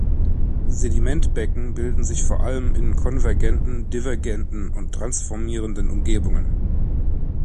Sedimentbecken bilden sich vor allem in konvergenten, divergenten und transformierenden Umgebungen.